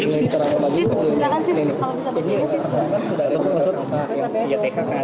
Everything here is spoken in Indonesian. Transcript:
ud tri hartono ya